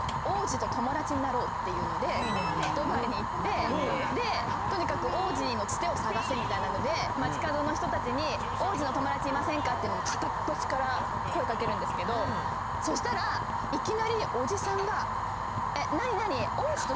っていうのでドバイに行ってでとにかく王子のツテを探せみたいなので街角の人たちに「王子の友達いませんか？」っていうの片っ端から声かけるんですけどそしたらいきなりおじさんが「えなになに？」。